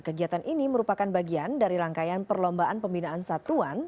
kegiatan ini merupakan bagian dari rangkaian perlombaan pembinaan satuan